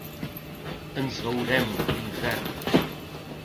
Ens veurem a l’infern.